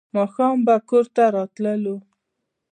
ماښام به کور ته راتلو.